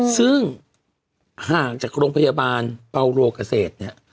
ซึ่งห่างจากโรงพยาบาลเปาโรเกษตรเนี่ย